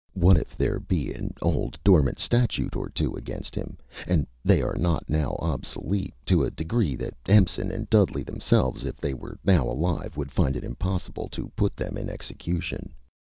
What if there be an old dormant statute or two against him, are they not now obsolete, to a degree, that Empson and Dudley themselves, if they were now alive, would find it impossible to put them in execution?